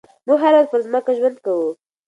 موږ هره ورځ پر ځمکه ژوند کوو.